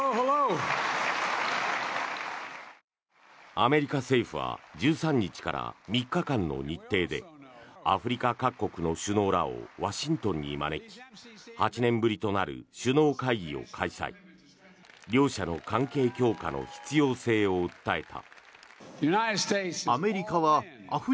アメリカ政府は１３日から３日間の日程でアフリカ各国の首脳らをワシントンに招き８年ぶりとなる首脳会議を開催。両者の関係強化の必要性を訴えた。